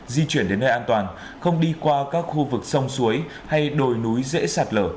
di chuyển đến nơi an toàn không đi qua các khu vực sông suối hay đồi núi dễ sạt lở